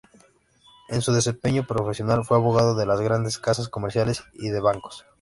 En su desempeño profesional fue abogado de las grandes casas comerciales y de bancos.